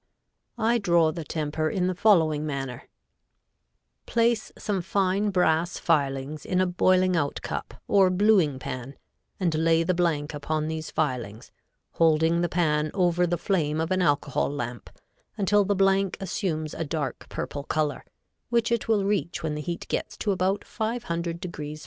[Illustration: Fig. 2.] I draw the temper in the following manner: Place some fine brass filings in a boiling out cup or bluing pan and lay the blank upon these filings, holding the pan over the flame of an alcohol lamp until the blank assumes a dark purple color, which it will reach when the heat gets to about 500° F.